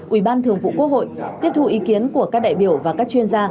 ủy ban thường vụ quốc hội tiếp thu ý kiến của các đại biểu và các chuyên gia